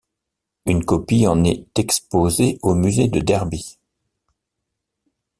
Une copie en est exposée au musée de Derby.